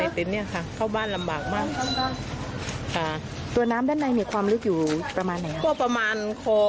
ไอ้ติ๊มเนี่ยค่ะเข้าบ้านหลับี่มาร์กมาตัวน้ำในอะไรเมื่อความเลือกอยู่ประมาณยาวข้อประมาณคอเหรอ